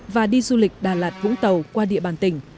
và đi du lịch đà lạt vũng tàu qua địa bàn tỉnh